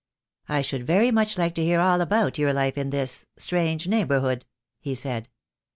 "I should very much like to hear all about your life in this — strange neighbourhood," he said.